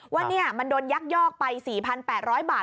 ว่ามันโดนยักยอกไป๔๘๐๐บาท